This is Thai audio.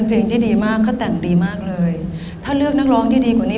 เพลงของใครอ่ะเพลงยังอยู่อ่ะ